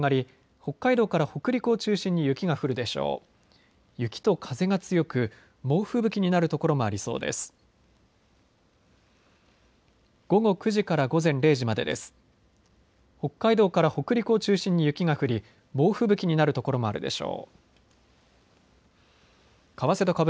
北海道から北陸を中心に雪が降り猛吹雪になるところもあるでしょう。